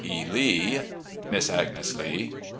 E. Lee. "Miss Agnes Lee."